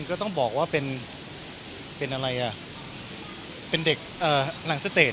ก็ต้องบอกว่าเป็นเด็กหลังสเตต